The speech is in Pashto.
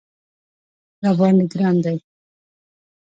راباندې ګران دی